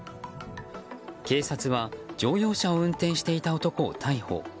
警察は乗用車を運転していた男を逮捕。